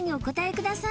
ください